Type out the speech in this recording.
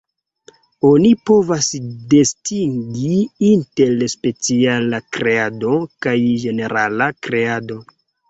Oni povas distingi inter 'speciala kreado' kaj ĝenerala kreado.